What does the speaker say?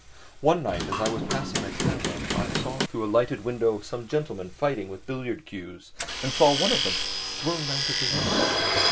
One night as I was passing a tavern I saw through a lighted window some gentlemen fighting with billiard cues, and saw one of them thrown out of the window.